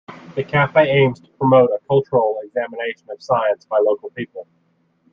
The Cafes aim to promote a cultural examination of science by local people.